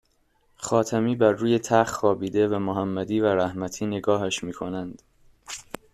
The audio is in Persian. خاتمی بر روی تخت خوابیده و محمدی و رحمتی نگاهش میکنند